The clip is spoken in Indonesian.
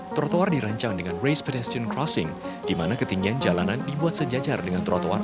trotoar dirancang dengan race pedestrian crossing di mana ketinggian jalanan dibuat sejajar dengan trotoar